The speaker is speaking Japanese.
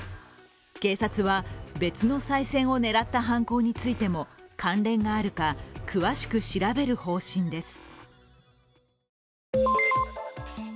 警察は、別のさい銭を狙った犯行についても関連があるか詳しく調べる方針です。